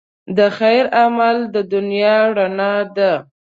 د خیر عمل د دنیا رڼا ده.